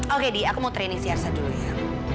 oke di aku mau training si arsa dulu ya